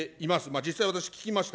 実際、私、聞きました。